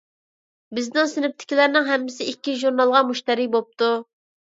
بىزنىڭ سىنىپتىكىلەرنىڭ ھەممىسى ئىككى ژۇرنالغا مۇشتەرى بوپتۇ.